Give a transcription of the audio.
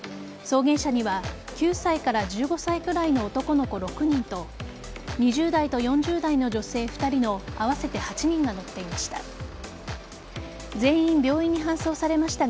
送迎車には９歳から１５歳くらいの男の子６人と２０代と４０代の女性２人の合わせて８人が乗っていました。